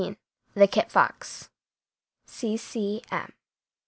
] THE KIT FOX. C. C. M.